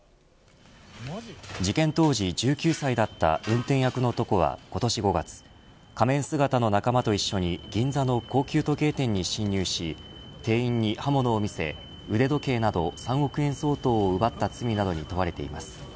事件当時、１９歳だった運転役の男は今年５月仮面姿の仲間と一緒に銀座の高級時計店に侵入し店員に刃物を見せ、腕時計など３億円相当を奪った罪などに問われています。